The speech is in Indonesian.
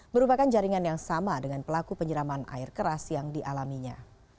merupakan jaringan yang sama dengan pelaku penyiraman air keras yang dialaminya